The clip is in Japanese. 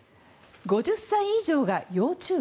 ５０歳以上が要注意？